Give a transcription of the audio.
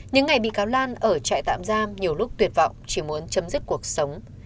những ngày bị cáo lan ở trại tạm giam nhiều lúc tuyệt vọng chỉ muốn chấm dứt cuộc sống